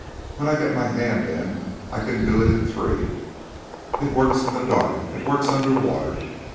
When I get my hand in, I can do it in three. It works in the dark. It works under water.